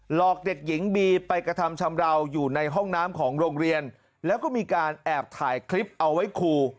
อกเด็กหญิงบีไปกระทำชำราวอยู่ในห้องน้ำของโรงเรียนแล้วก็มีการแอบถ่ายคลิปเอาไว้ครู